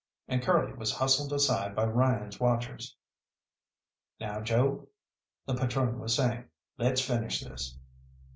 And Curly was hustled aside by Ryan's watchers. "Now, Joe," the patrone was saying, "let's finish this."